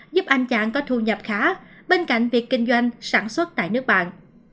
giúp anh chặn có thu nhập khá bên cạnh việc kinh doanh sản xuất tại nước bạn